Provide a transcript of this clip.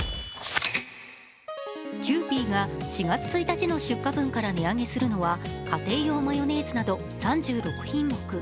キユーピーが４月１日の出荷分から値上げするのは家庭用マヨネーズなど３６品目。